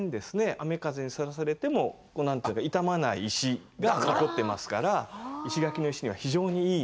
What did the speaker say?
雨風にさらされても傷まない石が残ってますから石垣の石には非常にいい。